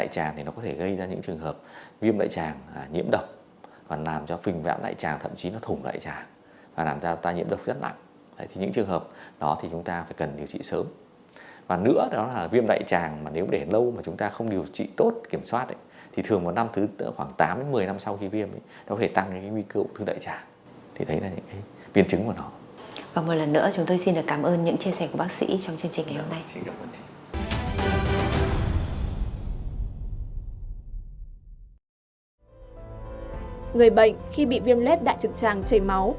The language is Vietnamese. cho tới nay chưa có thuốc điều trị khỏi bệnh hoàn toàn viêm luyết đại trực tràng chảy máu mà việc điều trị chỉ giúp lùi bệnh